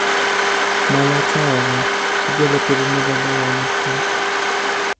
Mala te ava, tu gelekî bi min re bû alîkar.